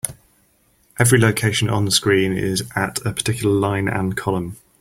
Every location onscreen is at a particular line and column.